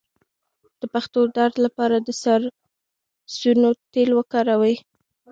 د پښو درد لپاره د سرسونو تېل وکاروئ